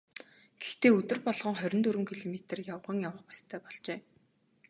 Гэхдээ өдөр болгон хорин дөрвөн километр явган явах ёстой болжээ.